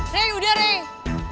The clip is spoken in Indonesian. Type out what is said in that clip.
reh udah reh